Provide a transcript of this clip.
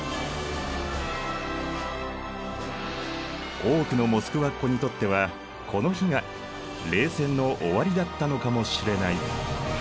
多くのモスクワっ子にとってはこの日が冷戦の終わりだったのかもしれない。